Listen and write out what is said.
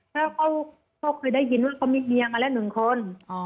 แล้วเขาเคยได้ยินว่าเขามีเมียมาแล้วหนึ่งคน